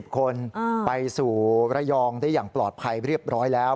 คนไปสู่ระยองได้อย่างปลอดภัยเรียบร้อยแล้ว